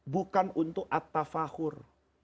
bukan untuk attafahur